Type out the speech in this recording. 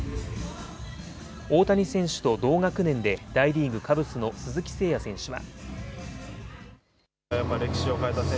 大谷選手と同学年で大リーグ、カブスの鈴木誠也選手は。